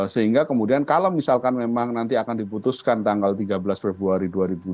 sehingga kemudian kalau misalkan memang nanti akan diputuskan tanggal tiga belas februari dua ribu dua puluh